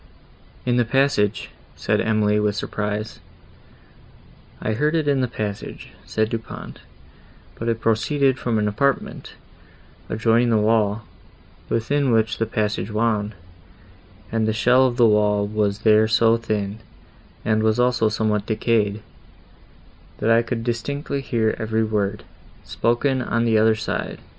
"In the passage!" said Emily, with surprise. "I heard it in the passage," said Du Pont, "but it proceeded from an apartment, adjoining the wall, within which the passage wound, and the shell of the wall was there so thin, and was also somewhat decayed, that I could distinctly hear every word, spoken on the other side.